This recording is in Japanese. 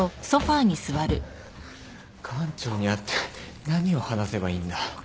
館長に会って何を話せばいいんだ。